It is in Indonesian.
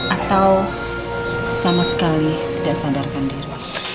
atau sama sekali tidak sadarkan diri